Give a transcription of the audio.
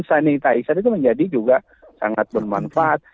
sanitizer itu menjadi juga sangat bermanfaat